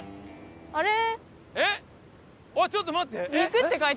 あっちょっと待って！